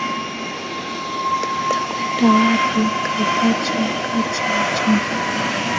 Takwenda kwapi nikaupache nkache wa chanu.